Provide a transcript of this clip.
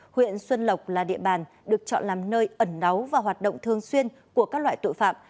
huyện xuân lộc là địa bàn được chọn làm nơi ẩn náu và hoạt động thường xuyên của các loại tội phạm